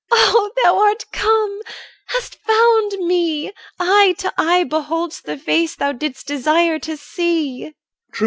I 1 Ah! thou art come, hast found me, eye to eye Behold'st the face thou didst desire to see.